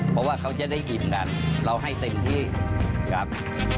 เพราะว่าเขาจะได้อิ่มกันเราให้เต็มที่ครับ